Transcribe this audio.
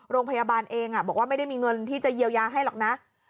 โรงพยาบาลเองบอกว่าไม่ได้มีเงินที่จะเยียวยาให้หรอกนะ